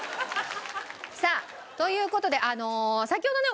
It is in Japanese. さあという事であの先ほどね